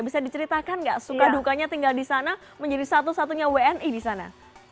bisa diceritakan gak suka dukanya tinggal disana menjadi satu satunya wni disana